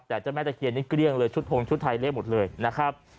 แต่เจ้าแม่ตะเคียนนี่เกลี้ยงเลยชุดทงชุดไทยเละหมดเลยนะครับ